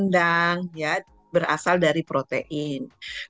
kemudian jenis makanan yang dipanaskan yang lebih berlebihan adalah makanan yang dipanaskan